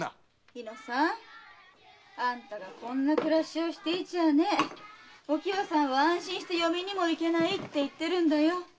猪之さんあんたがこんな暮らしをしてちゃお喜和さんは安心して嫁にも行けないって言ってるの。